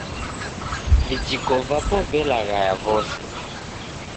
Vijiko vapo velaghaya vose